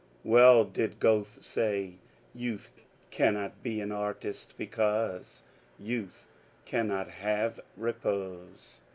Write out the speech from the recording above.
Well did Goethe say, *^ Youth cannot be an artist because Youth can not have repose."